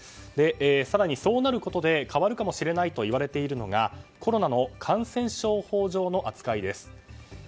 更にそうなることで変わるかもしれないといわれているのがコロナの感染症法上の扱いです。